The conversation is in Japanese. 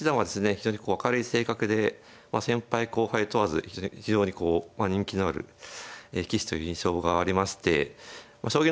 非常にこう明るい性格で先輩後輩問わず非常にこう人気のある棋士という印象がありまして将棋の方はですね